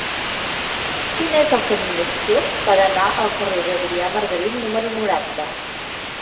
Quin és el camí més curt per anar al carrer d'Adrià Margarit número noranta?